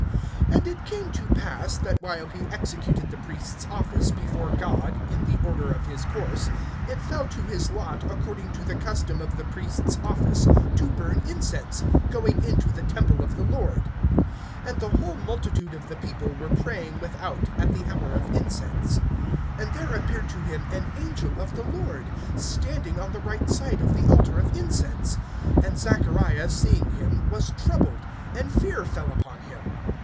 (8)And it came to pass, that while he executed the priest's office before God, in the order of his course, (9)it fell to his lot, according to the custom of the priest's office, to burn incense, going into the temple of the Lord. (10)And the whole multitude of the people were praying without, at the hour of incense. (11)And there appeared to him an angel of the Lord, standing on the right side of the altar of incense. (12)And Zachariah seeing him was troubled, and fear fell upon him.